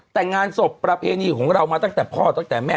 แต่งงานศพประเพณีของเรามาตั้งแต่พ่อตั้งแต่แม่